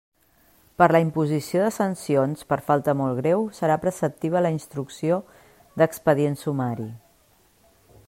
Per a la imposició de sancions per falta molt greu serà preceptiva la instrucció d'expedient sumari.